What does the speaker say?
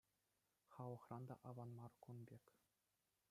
Халӑхран та аван мар кун пек.